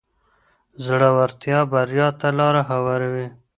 زړورتیا بریا ته لاره هواروي.